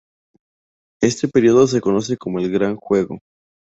Este periodo se conoce como el Gran Juego.